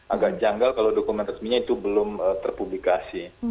agak janggal kalau dokumen resminya itu belum terpublikasi